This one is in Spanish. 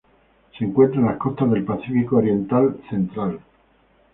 Se encuentran en las costas del Pacífico oriental central.